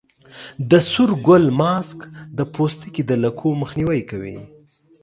د سور ګل ماسک د پوستکي د لکو مخنیوی کوي.